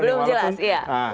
belum jelas iya